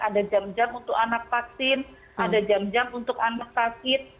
ada jam jam untuk anak vaksin ada jam jam untuk anak sakit